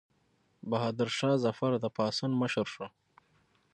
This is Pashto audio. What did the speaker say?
بهادر شاه ظفر د پاڅون مشر شو.